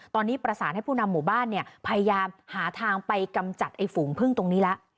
ตอนนี้ประสานให้ผู้นำหมู่บ้านเนี่ยพยายามหาทางไปกำจัดไอ้ฝูงพึ่งตรงนี้แล้ว